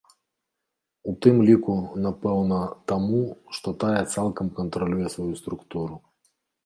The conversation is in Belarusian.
У тым ліку, напэўна, таму, што тая цалкам кантралюе сваю структуру.